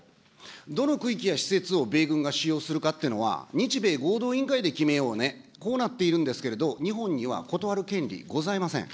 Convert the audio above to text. どの区域や施設を米軍が使用するかっていうのは、日米合同委員会で決めようね、こうなっているんですけれど、日本には断る権利ございません。